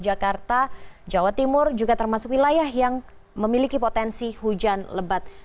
jakarta jawa timur juga termasuk wilayah yang memiliki potensi hujan lebat